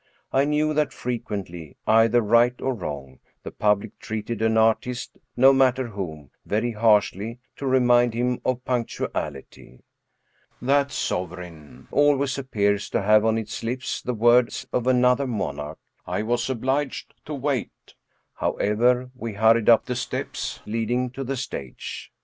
I knew that frequently, either right or wrong, 216 ilf • Robert'Houdin the public treated an artiste, no matter whom, very harshly, to remind him of punctuality. That sovereign always ap pears to have on its lips the words of another monarch: " I was obliged to wait." However, we hurried up the steps leading to the stage.